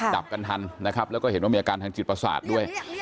จับกันทันนะครับแล้วก็เห็นว่ามีอาการทางจิตประสาทด้วย